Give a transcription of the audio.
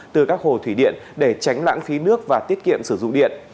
từ các hồ thủy điện để tránh lãng phí nước và tiết kiệm sử dụng điện